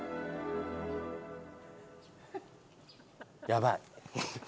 やばい。